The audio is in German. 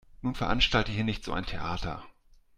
Nun veranstalte hier nicht so ein Theater.